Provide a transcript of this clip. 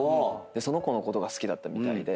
その子のことが好きだったみたいで。